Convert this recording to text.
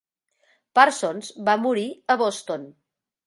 Parsons va morir a Boston.